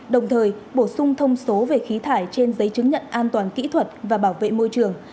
đồng thời bổ sung thông số về khí thải trên giấy chứng nhận an toàn kỹ thuật và bảo vệ môi trường